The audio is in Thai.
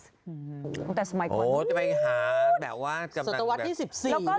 ตั้งแต่สมัยกว่านี้โอ้โฮจะไปหาแบบว่าสัตวัสดี๑๔ด้วย